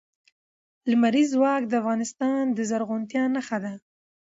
لمریز ځواک د افغانستان د زرغونتیا نښه ده.